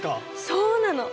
そうなの！